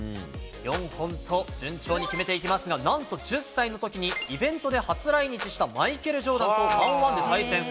４本と、順調に決めていきますが、なんと１０歳のときに、イベントで初来日したマイケル・ジョーダンと１オン１で対戦。